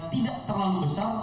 tidak terlalu besar